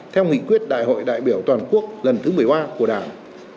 theo nghị quyết đại hội đại biểu toàn quốc lần thứ một mươi ba của đảng